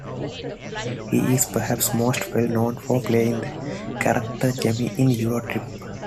He is perhaps most well known for playing the character Jamie in "EuroTrip".